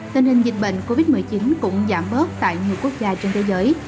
tình hình dịch bệnh covid một mươi chín cũng giảm bớt tại nhiều quốc gia trên thế giới